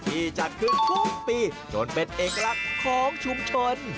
จัดขึ้นทุกปีจนเป็นเอกลักษณ์ของชุมชน